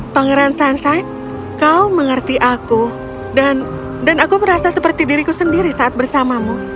pangeran sunshide kau mengerti aku dan aku merasa seperti diriku sendiri saat bersamamu